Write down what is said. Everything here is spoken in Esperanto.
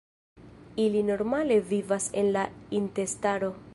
Ili normale vivas en la intestaro.